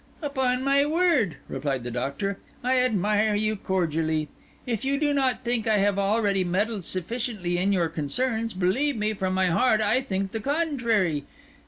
"Upon my word," replied the Doctor, "I admire you cordially. If you do not think I have already meddled sufficiently in your concerns, believe me, from my heart I think the contrary.